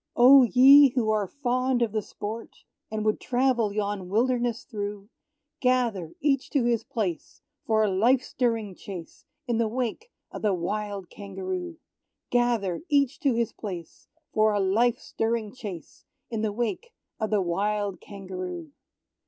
Oh, ye who are fond of the sport, And would travel yon wilderness through, Gather each to his place for a life stirring chase, In the wake of the wild Kangaroo! Gather each to his place For a life stirring chase In the wake of the wild Kangaroo!